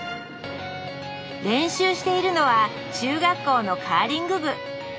練習しているのは中学校のカーリング部。